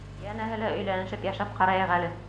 Йәнәһе лә, өйләнешеп йәшәп ҡарайыҡ әле.